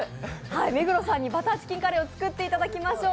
目黒さんにバターチキンカレーを作っていただきましょう。